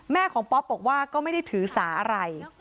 แม่ของป๊อปบอกว่าก็ไม่ได้ถือสาอะไร